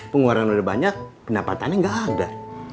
pengeluaran udah banyak pendapatannya gak ada